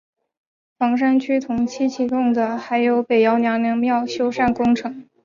房山区同期启动的还有北窖娘娘庙修缮工程。